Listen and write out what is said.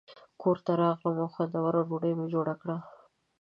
کور ته راغلم او خوندوره ډوډۍ مې جوړه کړه.